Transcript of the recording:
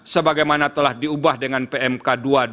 sebagaimana telah diubah dengan pmk dua ribu dua puluh